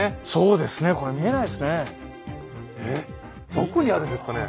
どこにあるんですかね。